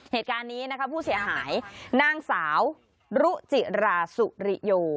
เหตุการณ์นี้นะคะผู้เสียหายนางสาวรุจิราสุริโย